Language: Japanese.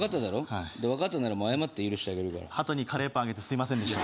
はいわかったなら謝って許してあげるからハトにカレーパンあげてすいませんでした